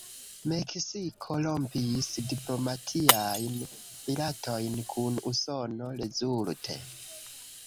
Meksiko rompis diplomatiajn rilatojn kun Usono rezulte.